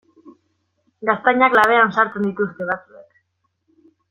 Gaztainak labean sartzen dituzte batzuek.